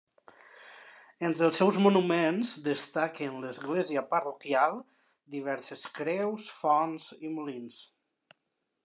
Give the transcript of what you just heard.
Entre els seus monuments destaquen l'església parroquial, diverses creus, fonts i molins.